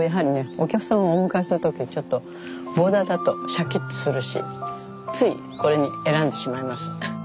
お客様をお迎えする時ボーダーだとシャキッとするしついこれを選んでしまいます。